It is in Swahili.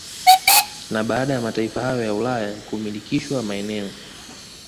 Na baada ya mataifa hayo ya Ulaya kumilikishwa maeneo